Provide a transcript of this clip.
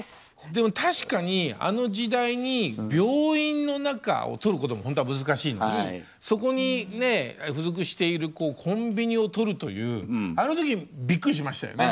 でも確かにあの時代に病院の中を撮ることもほんとは難しいのにそこにね付属しているコンビニを撮るというあの時びっくりしましたよね。